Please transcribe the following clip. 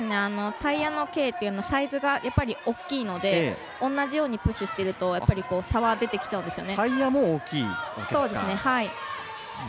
タイヤの直径、サイズが大きいので同じようにプッシュしてると差が出ちゃうんですよね。